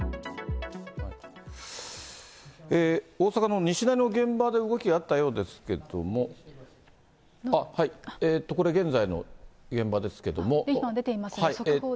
大阪の西成の現場で動きがあったようですけれども、これ、今出ていますね、速報で。